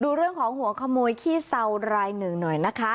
ดูเรื่องของหัวขโมยขี้เซารายหนึ่งหน่อยนะคะ